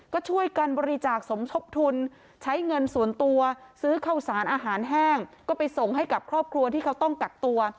ก็ช่วยกันบริจาคสมทบทุนใช้เงินส่วนตัวซื้อข้าวสารอาหารแห้งก็ไปส่งให้กับครอบครัวที่เขาต้องกักตัว